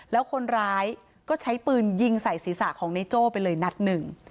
แล้วคนร้ายก็ใช้ปืนยิงใส่ศีรษะของในโจ้ไปเลยนัดหนึ่ง